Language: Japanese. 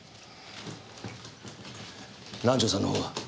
南条さんのほうは？